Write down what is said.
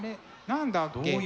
何だっけ？